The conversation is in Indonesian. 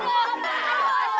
aduh aduh aduh aduh aduh